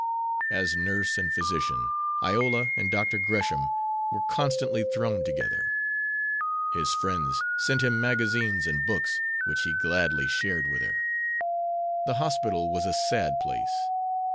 As nurse and physician, Iola and Dr. Gresham were constantly thrown together. His friends sent him magazines and books, which he gladly shared with her. The hospital was a sad place.